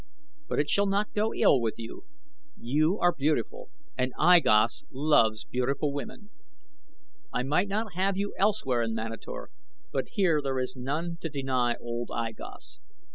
But it shall not go ill with you. You are beautiful and I Gos loves beautiful women. I might not have you elsewhere in Manator, but here there is none to deny old I Gos.